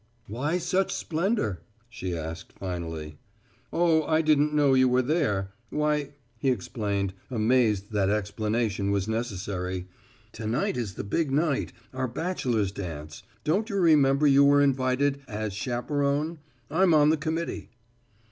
"Why such splendor?" she asked finally. "Oh, I didn't know you were there. Why," he explained, amazed that explanation was necessary, "to night is the big night. Our Bachelor's Dance. Don't you remember you were invited as chaperone. I'm on the committee."